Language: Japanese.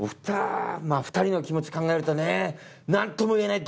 ２人の気持ち考えるとね何とも言えない。